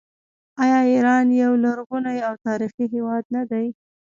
آیا ایران یو لرغونی او تاریخي هیواد نه دی؟